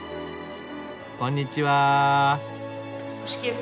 こんにちは。